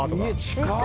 「近い！